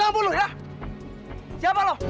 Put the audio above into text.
jangan jauh jauh ya siapa lo